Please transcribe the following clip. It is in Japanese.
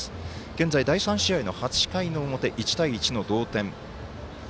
現在、第３試合の８回の表１対１の同点。